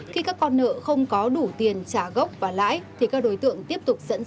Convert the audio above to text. khi các con nợ không có đủ tiền trả gốc và lãi thì các đối tượng tiếp tục dẫn dắ